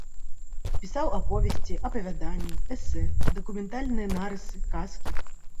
Пісаў аповесці, апавяданні, эсэ, дакументальныя нарысы, казкі.